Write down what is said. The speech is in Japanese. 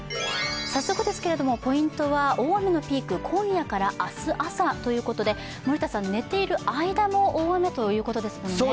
早速ですけれども、ポイントは大雨のピーク、今夜から明日朝ということで寝ている間の大雨ということですね。